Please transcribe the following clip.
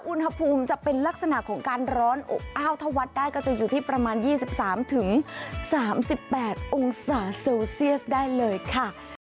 อุณหภูมิจะเป็นลักษณะของการร้อนอบอ้าวถ้าวัดได้ก็จะอยู่ที่ประมาณ๒๓๓๘องศาเซลเซียสได้เลยค่ะ